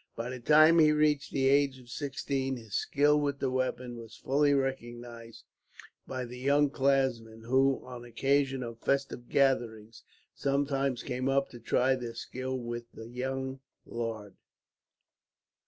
By the time he reached the age of sixteen, his skill with the weapon was fully recognized by the young clansmen who, on occasions of festive gatherings, sometimes came up to try their skill with the young laird.